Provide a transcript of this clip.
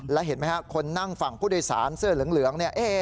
แล้วเห็นไหมครับคนนั่งฝั่งผู้โดยสารเสื้อเหลืองเนี่ย